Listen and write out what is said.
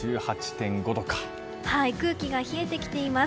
空気が冷えてきています。